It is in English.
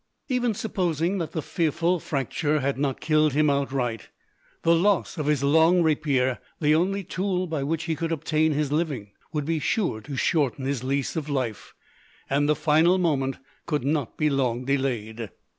Even supposing that the fearful "fracture" had not killed him outright, the loss of his long rapier, the only tool by which he could obtain his living, would be sure to shorten his lease of life, and the final moment could not be long delayed.